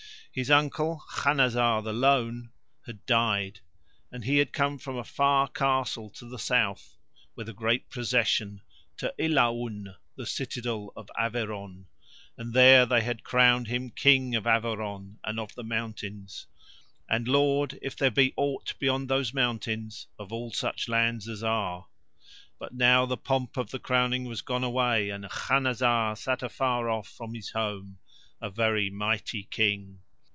His uncle, Khanazar the Lone, had died, and he had come from a far castle to the south, with a great procession, to Ilaun, the citadel of Averon; and there they had crowned him King of Averon and of the mountains, and Lord, if there be aught beyond those mountains, of all such lands as are. But now the pomp of the crowning was gone away and Khanazar sat afar off from his home, a very mighty King.